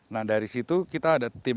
nah dari situ kita ada tim